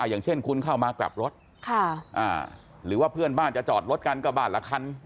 อย่างเช่นคุณเข้ามากลับรถหรือว่าเพื่อนบ้านจะจอดรถกันก็บ้านละคัน